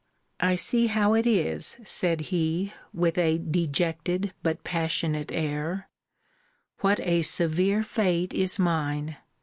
I see how it is, said he, with a dejected but passionate air What a severe fate is mine!